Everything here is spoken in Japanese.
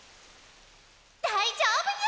大丈夫にゃ！